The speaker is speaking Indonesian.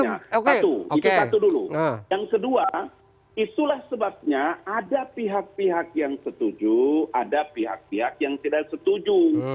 satu itu satu dulu yang kedua itulah sebabnya ada pihak pihak yang setuju ada pihak pihak yang tidak setuju